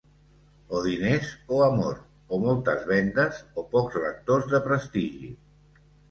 O diners o amor, o moltes vendes o pocs lectors de prestigi.